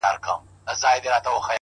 د وجود غړي د هېواد په هديره كي پراته،